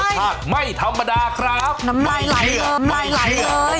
หมุทักไม่ธรรมดาครับนำไรไหลเลยนำไรไหลเลย